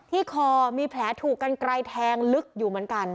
คอมีแผลถูกกันไกลแทงลึกอยู่เหมือนกัน